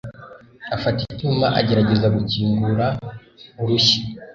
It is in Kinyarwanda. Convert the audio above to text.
Afata icyuma, agerageza gukingura urushyi.